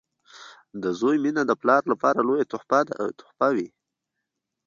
• د زوی مینه د پلار لپاره لویه تحفه وي.